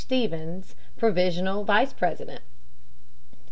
Stephens provisional vice president.